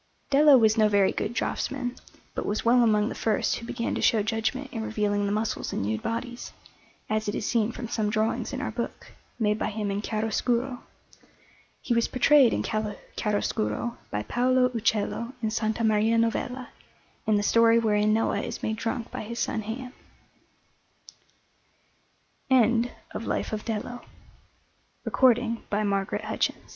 Dello was no very good draughtsman, but was well among the first who began to show judgment in revealing the muscles in nude bodies, as it is seen from some drawings in our book, made by him in chiaroscuro. He was portrayed in chiaroscuro by Paolo Uccello in S. Maria Novella, in the story wherein Noah is made drunk by his son Ham. NANNI D'ANTONIO DI BANCO LIFE OF NANNI D'ANTONIO DI BANCO SCULPTOR OF